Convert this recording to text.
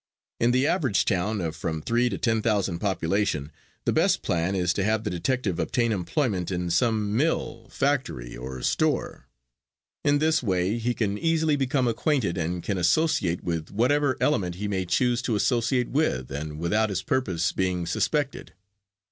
In the average town of from three to ten thousand population, the best plan is to have the detective obtain employment in some mill, factory or store. In this way he can easily become acquainted and can associate with whatever element he may choose to associate with and without his purpose being suspected.